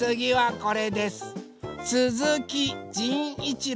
これ？